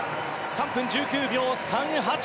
３分１９秒３８。